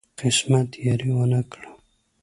قسمت یاري ونه کړه.